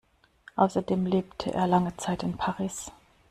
Außerdem lebte er lange Zeit in Paris.